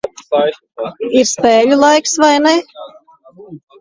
Ir spēļu laiks, vai ne?